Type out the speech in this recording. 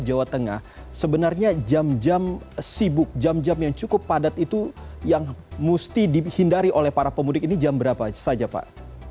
di jawa tengah sebenarnya jam jam sibuk jam jam yang cukup padat itu yang mesti dihindari oleh para pemudik ini jam berapa saja pak